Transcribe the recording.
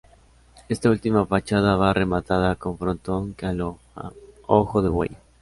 Esta última fachada va rematada con frontón que aloja ojo de buey.